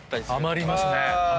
余ります。